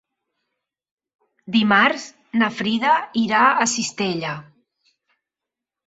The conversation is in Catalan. Dimarts na Frida irà a Cistella.